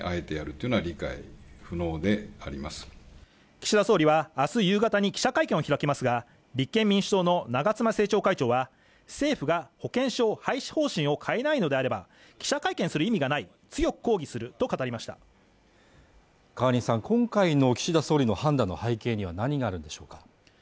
岸田総理は明日夕方に記者会見を開きますが立憲民主党の長妻政調会長は政府が保険証廃止方針を変えないのであれば記者会見する意味がない強く抗議すると語りました川西さん、今回の岸田総理の判断の背景には何があるんでしょうか